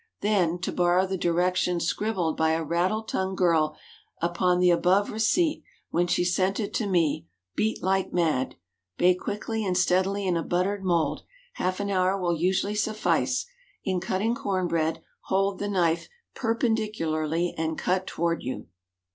Then, to borrow the direction scribbled by a rattle tongued girl upon the above receipt, when she sent it to me—"beat like mad!" Bake quickly and steadily in a buttered mould. Half an hour will usually suffice. In cutting corn bread hold the knife perpendicularly and cut toward you.